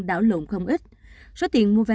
đảo lộn không ít số tiền mua vé